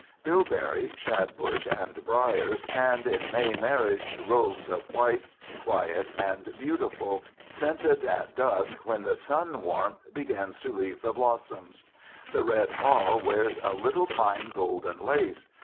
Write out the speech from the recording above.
Bilberry, shadbush, and brier stand in May marriage robes of white, quiet and beautiful, scented at dusk when the sun warmth begins to leave the blossoms. The red haw wears a little fine golden lace.